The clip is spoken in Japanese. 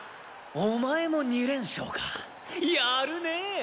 お前も２連勝かやるねえ！